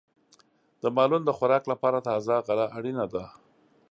د مالونو د خوراک لپاره تازه غله اړینه ده.